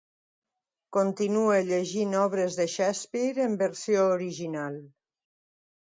Continua llegint obres de Shakespeare en versió original.